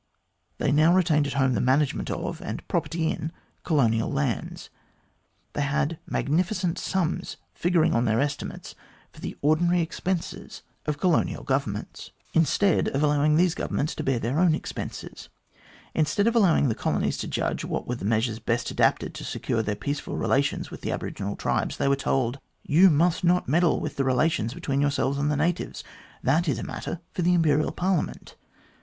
They now retained at home the management of, and property in, colonial lands. They had magnificent sums figuring on their estimates for the ordinary expenses of Colonial MR GLADSTONE'S TRUE PRINCIPLES OF COLONISATION 213 Governments, instead of allowing these governments to bear their own expenses. Instead of allowing the colonies to judge what were the measures best adapted to secure their peaceful relations with the aboriginal tribes, they were told :" You must not meddle with the relations between yourselves and the natives ; that is a matter for the Imperial Parliament."